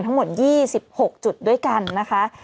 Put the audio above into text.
ทั้งหมด๒๖จุดด้วยกันนะคะ